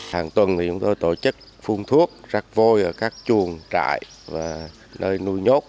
hàng tuần chúng tôi tổ chức phun thuốc rắc vôi ở các chuồng trại và nơi nuôi nhốt